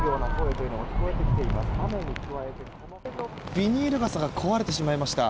ビニール傘が壊れてしまいました。